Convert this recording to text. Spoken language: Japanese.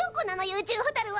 宇宙ホタルは！